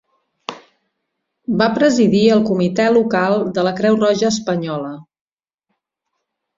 Va presidir el Comitè Local de la Creu Roja Espanyola.